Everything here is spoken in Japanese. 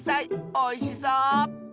おいしそう！